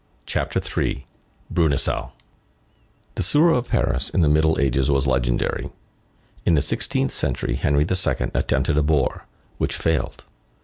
CHAPTER III—BRUNESEAU The sewer of Paris in the Middle Ages was legendary. In the sixteenth century, Henri II. attempted a bore, which failed.